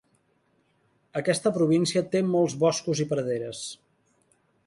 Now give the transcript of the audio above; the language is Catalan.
Aquesta província té molts boscos i praderes.